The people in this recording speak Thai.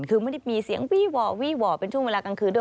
คือไม่ได้มีเสียงวี่หว่อวี่ห่อเป็นช่วงเวลากลางคืนด้วย